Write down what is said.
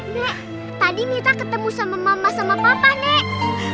mbak tadi mita ketemu sama mama sama papa nek